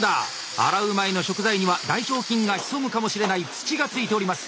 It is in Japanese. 洗う前の食材には大腸菌が潜むかもしれない土が付いております。